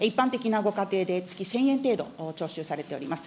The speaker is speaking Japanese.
一般的なご家庭で、月１０００円程度徴収されております。